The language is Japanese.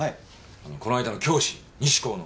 あのこないだの教師西高の。